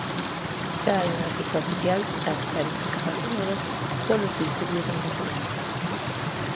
Xa hai unha cifra oficial das perdas ocasionadas polos disturbios en Cataluña.